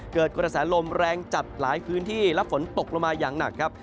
เกิดกระแสลมแรงจัดหลายพื้นที่และฝนตกลงมาอย่างหนักครับ